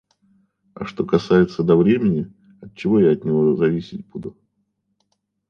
А что касается до времени - отчего я от него зависеть буду?